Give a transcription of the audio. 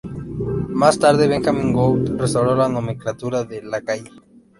Más tarde Benjamin Gould restauró la nomenclatura de Lacaille.